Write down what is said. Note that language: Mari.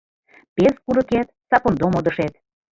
Пез курыкет - сапондо модышет